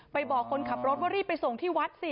บอกคนขับรถว่ารีบไปส่งที่วัดสิ